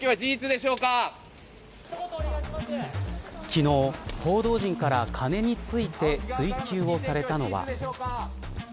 昨日、報道陣から金について追及をされたのは。